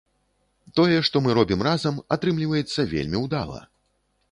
Тое, што мы робім разам, атрымліваецца вельмі ўдала.